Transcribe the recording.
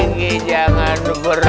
gigi jangan pergi